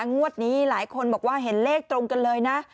งวดนี้หลายคนบอกว่าเห็นเลขตรงกันเลยนะ